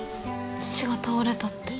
父が倒れたって。